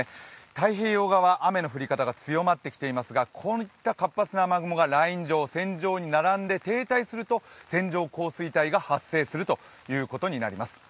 太平洋側、雨の降り方が強まってきていますが、こういった活発な雨雲がライン上、線上に並んで停滞すると線状降水帯が発生するということになります。